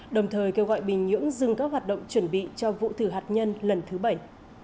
đồng thời kêu gọi bình nhưỡng dừng các hoạt động chuẩn bị cho vụ thử hạt nhân lần thứ bảy